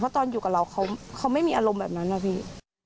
ตอนอยู่กับเราเขาไม่มีอารมณ์แบบนั้นนะพี่